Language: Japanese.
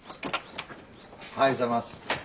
おはようございます。